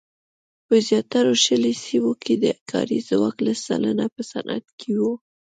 په زیاترو شلي سیمو کې د کاري ځواک لس سلنه په صنعت کې وو.